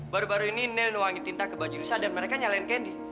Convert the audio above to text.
baru baru ini nel nuangin tinta ke baju lisa dan mereka nyalain candy